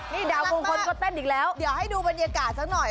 นี่ดาวคลุมคนก็เต้นอีกแล้วมันรักมากเดี๋ยวให้ดูบรรยากาศสักหน่อย